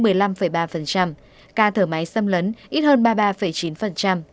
so với tuần trước số ca thở máy xâm lấn ít hơn ba mươi ba chín